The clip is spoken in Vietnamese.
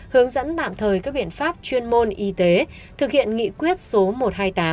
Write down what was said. hướng dẫn tạm thời các biện pháp chuyên môn y tế thực hiện nghị quyết số một trăm hai mươi tám